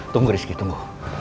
tunggu rizky tunggu